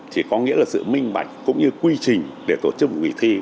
thì có nghĩa là sự minh bạch cũng như quy trình để tổ chức một kỳ thi